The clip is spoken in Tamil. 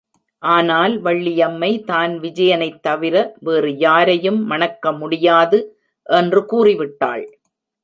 ஆனால் வள்ளியம்மை தான் விஜயனைத் தவிர வேறு யாரையும் மணக்க முடியாது! என்று கூறி விட்டாள்.